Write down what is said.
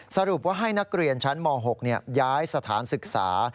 สรุปว่าให้นักเรียนชั้นม๖ย้ายสถานศึกษา